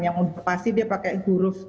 yang pasti dia pakai guruf